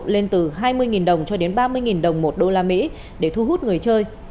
lên từ hai mươi đồng cho đến ba mươi đồng một đô la mỹ để thu hút người chơi